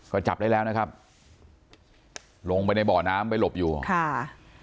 ก็จับได้แล้วนะครับลงไปในบ่อน้ำไปหลบอยู่ค่ะ